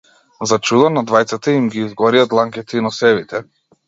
За чудо, на двајцата им ги изгорија дланките и носевите.